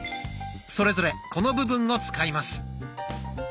それぞれこの部分を使います。